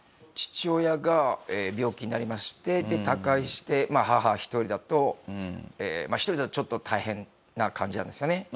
父親が病気になりまして他界して母一人だと一人だとちょっと大変な感じなんですよね。